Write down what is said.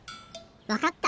わかった！